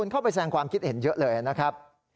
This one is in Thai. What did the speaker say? เข้าไปแสงความคิดเห็นเยอะเลยนะครับ